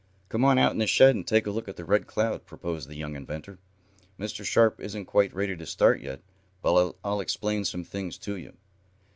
"Come on out in the shed and take a look at the Red Cloud," proposed the young inventor. "Mr. Sharp isn't quite ready to start yet, and I'll explain some things to you."